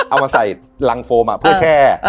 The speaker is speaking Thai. เอามาใส่รังโฟมเพื่อแช่